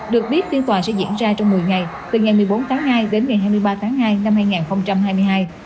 được biết phiên tòa sẽ diễn ra trong một mươi ngày từ ngày một mươi bốn tháng hai đến ngày hai mươi ba tháng hai năm hai nghìn hai mươi hai